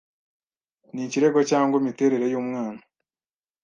n ikigero cyangwa imiterere y umwana